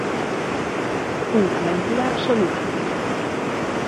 Unha mentira absoluta.